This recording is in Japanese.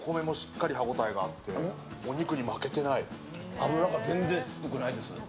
脂が全然しつこくないです。